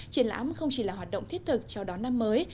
triển lãm không chỉ là hoạt động thiết thực cho đón năm mới